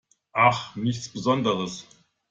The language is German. Ach, nichts Besonderes.